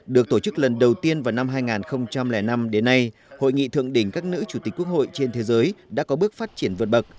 được tổ chức lần đầu tiên vào năm hai nghìn năm đến nay hội nghị thượng đỉnh các nữ chủ tịch quốc hội trên thế giới đã có bước phát triển vượt bậc